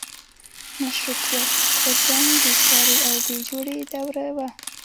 مشروطیت غورځنګ بېسارې او بې جوړې دوره وه.